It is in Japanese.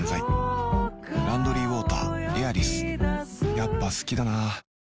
やっぱ好きだな